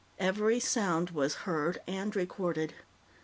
Every sound was heard and recorded.